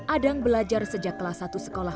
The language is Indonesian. adang belajar sejak kelas satu sekolah